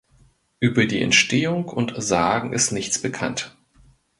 Über die Entstehung und Sagen ist nichts bekannt.